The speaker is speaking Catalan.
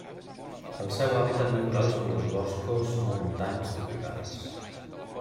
El seu hàbitat natural són els boscos montans tropicals.